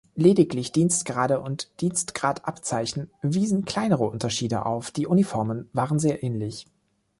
Lediglich Dienstgrade und Dienstgradabzeichen wiesen kleinere Unterschiede auf; die Uniformen waren sehr ähnlich.